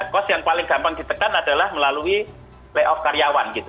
cost yang paling gampang ditekan adalah melalui layoff karyawan gitu